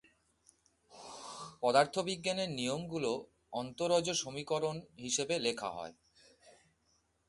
পদার্থবিজ্ঞানের নিয়মগুলো অন্তরজ সমীকরণ হিসেবে লেখা হয়।